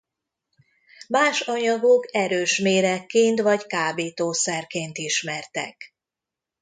Más anyagok erős méregként vagy kábítószerként ismertek.